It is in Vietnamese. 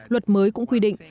luật mới cũng quy định